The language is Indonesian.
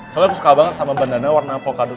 soalnya gue suka banget sama bandana warna avocado ini